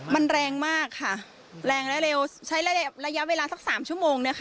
มันแรงมากค่ะแรงแล้วเร็วใช้ระยะระยะเวลาสักสามชั่วโมงเนี่ยค่ะ